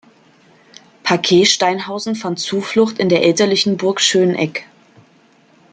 Paquet-Steinhausen fand Zuflucht in der elterlichen Burg Schöneck.